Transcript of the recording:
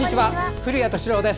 古谷敏郎です。